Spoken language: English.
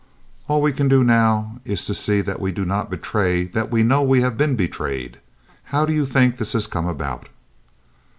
All we can do now is to see that we do not betray that we know we have been betrayed. How do you think this has come about?"